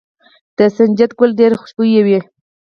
د سنجد ګل ډیر خوشبويه وي.